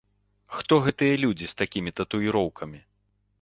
Хто гэтыя людзі з такімі татуіроўкамі?